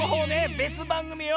べつばんぐみよ。